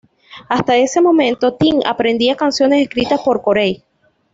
Hasta ese momento Tim aprendía canciones escritas por Corey.